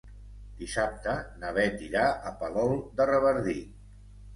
Dissabte na Beth irà a Palol de Revardit.